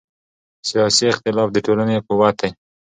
سیاسي اختلاف د ټولنې قوت دی